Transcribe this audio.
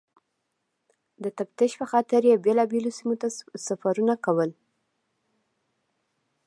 د تفتیش پخاطر یې بېلابېلو سیمو ته سفرونه کول.